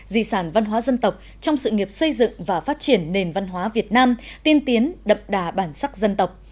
di sản văn hóa dân tộc trong sự nghiệp xây dựng và phát triển nền văn hóa việt nam tiên tiến đậm đà bản sắc dân tộc